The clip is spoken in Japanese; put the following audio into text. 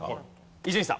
伊集院さん。